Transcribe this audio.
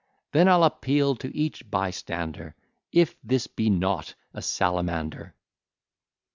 "Then I'll appeal to each bystander, If this be not a Salamander?"